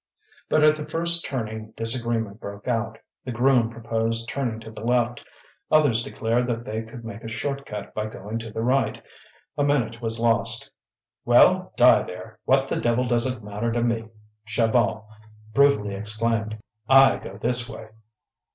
But at the first turning disagreement broke out; the groom proposed turning to the left, others declared that they could make a short cut by going to the right. A minute was lost. "Well, die there! what the devil does it matter to me?" Chaval brutally exclaimed. "I go this way."